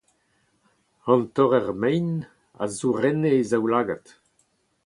An torrer-mein a zourenne e zaoulagad.